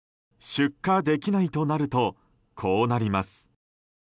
出荷できないとなるとこうなります。